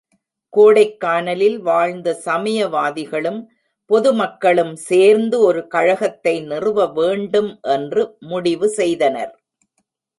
கோடைக்கானலில் வாழ்ந்த சமய வாதிகளும், பொதுமக்களும் சேர்ந்து ஒரு கழகத்தை நிறுவ வேண்டும் என்று முடிவு செய்தனர்.